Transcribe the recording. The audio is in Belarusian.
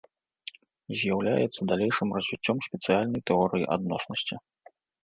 З'яўляецца далейшым развіццём спецыяльнай тэорыі адноснасці.